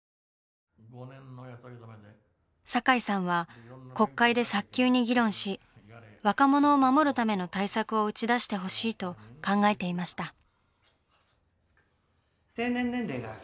堺さんは国会で早急に議論し若者を守るための対策を打ち出してほしいと考えていました。